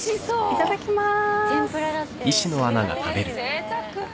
いただきまーす。